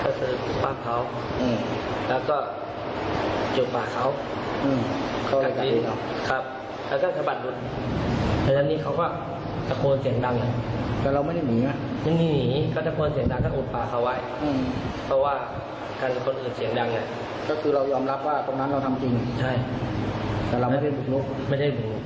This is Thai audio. ก็คือเรายอมรับว่าตรงนั้นเราทำจริงใช่แต่เราไม่ได้บุกรุกไม่ได้หนี